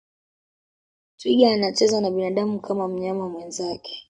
twiga anacheza na binadamu kama mnyama mwenzake